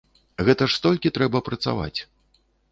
Гэта ж столькі трэба працаваць.